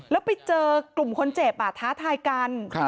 แล้วไปเจอกลุ่มคนเจ็บท้าทายกัน